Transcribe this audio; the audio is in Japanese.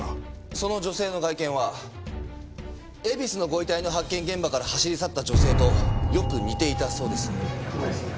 その女性の外見は恵比寿のご遺体の発見現場から走り去った女性とよく似ていたそうです。